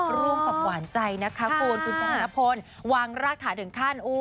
ร่วมกับหวานใจนะคะคุณคุณชนะพลวางรากฐานถึงขั้น